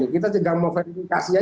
kita juga mau verifikasi